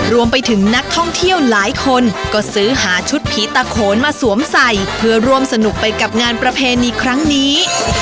รวมไปถึงนักท่องเที่ยวหลายคนก็ซื้อหาชุดผีตาโขนมาสวมใส่เพื่อร่วมสนุกไปกับงานประเพณีครั้งนี้